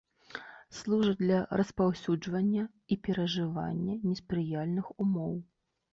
Служаць для распаўсюджвання і перажывання неспрыяльных умоў.